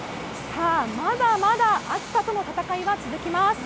さあ、まだまだあつさとの戦いは続きます。